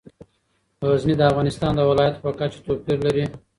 غزني د افغانستان د ولایاتو په کچه توپیر لري.